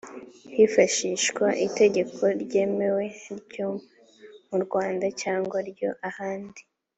hifashishwa itegeko ryemewe ryo mu rwanda cyangwa ry ahandi